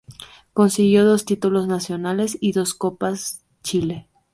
Consiguió dos títulos nacionales y dos Copa Chile.